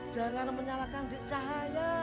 jangan menyalakan dek cahaya